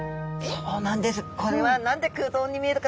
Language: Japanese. そうなんです。